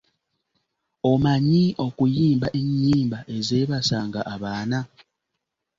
Omanyi okuyimba ennyimba ezeebasanga abaana?